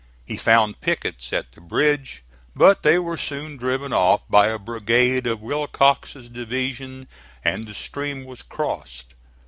He found pickets at the bridge, but they were soon driven off by a brigade of Willcox's division, and the stream was crossed.